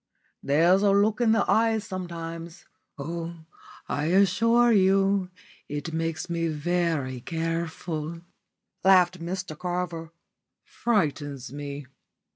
"There's a look in the eyes sometimes. Oh, I assure you it makes me very careful," laughed Mr Carver. "Frightens me.